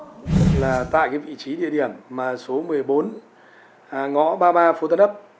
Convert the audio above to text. đó là tại cái vị trí địa điểm mà số một mươi bốn ngõ ba mươi ba phố tân ấp